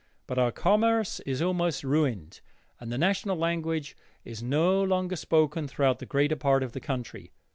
But our commerce is almost ruined and the national language is no longer spoken throughout the greater part of the country.